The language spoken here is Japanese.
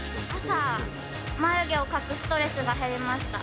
朝、眉毛を描くストレスが減りました。